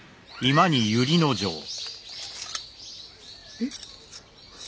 えっ？